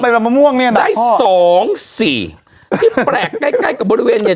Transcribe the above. ใบมะม่วงเนี่ยนะได้สองสี่ที่แปลกใกล้ใกล้กับบริเวณเนี้ย